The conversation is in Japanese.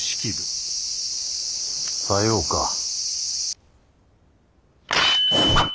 さようか。